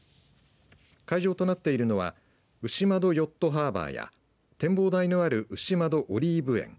会場となっているのは牛窓ヨットハーバーや展望台のある牛窓オリーブ園